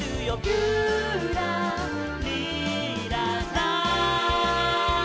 「ぴゅらりらら」